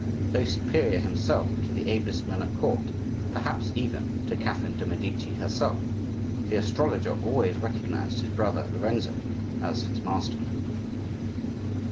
Though superior himself to the ablest men at court, perhaps even to Catherine de' Medici herself, the astrologer always recognized his brother Lorenzo as his master.